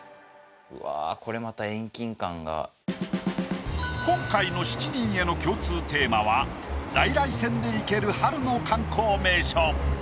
うわ今回の７人への共通テーマは「在来線で行ける春の観光名所」。